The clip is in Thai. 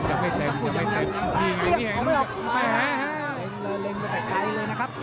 ยังไม่เต็มยังไม่เต็ม